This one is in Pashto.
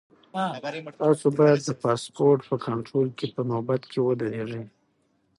تاسو باید د پاسپورټ په کنټرول کې په نوبت کې ودرېږئ.